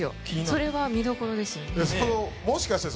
それは見どころですよね